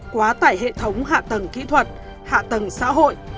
quá tải hệ thống hạ tầng kỹ thuật hạ tầng xã hội